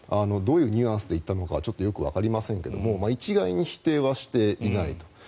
どういうニュアンスで言ったのかちょっとわかりませんが一概に否定はしていないと。